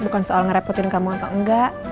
bukan soal ngerepotin kamu atau enggak